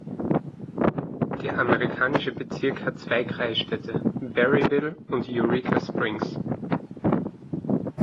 Der amerikanische Bezirk hat zwei Kreisstädte, Berryville und Eureka Springs.